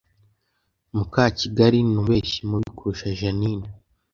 Mukakigali ni umubeshyi mubi kurusha Jeaninne